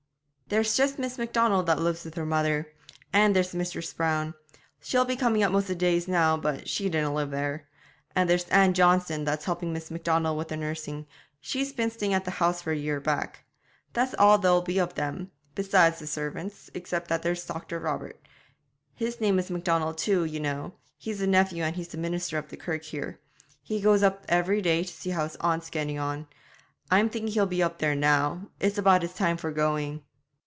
'There's just Miss Macdonald that lives with her mother; and there's Mistress Brown she'll be coming up most of the days now, but she dinna live there; and there's Ann Johnston, that's helping Miss Macdonald with the nursing she's been staying at the house for a year back. That's all that there'll be of them besides the servants, except that there's Dr. Robert. His name is Macdonald, too, ye know; he's a nephew, and he's the minister o' the kirk here. He goes up every day to see how his aunt's getting on. I'm thinking he'll be up there now; it's about his time for going.'